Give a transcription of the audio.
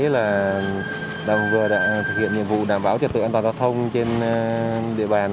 là vừa thực hiện nhiệm vụ đảm bảo trật tự an toàn giao thông trên địa bàn